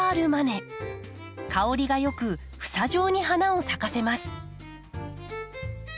香りが良く房状に花を咲かせます。